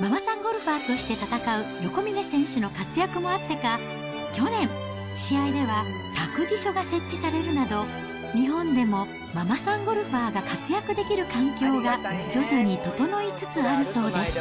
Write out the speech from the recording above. ママさんゴルファーとして戦う横峯選手の活躍もあってか、去年、試合では託児所が設置されるなど、日本でもママさんゴルファーが活躍できる環境が徐々に整いつつあるそうです。